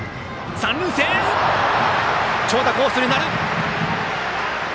三塁線、長打コースになる。